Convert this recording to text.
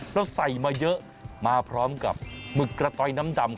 แล้วใส่มาเยอะมาพร้อมกับหมึกกระตอยน้ำดำ